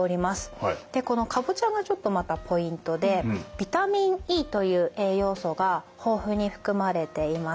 でこのカボチャがちょっとまたポイントでビタミンＥという栄養素が豊富に含まれています。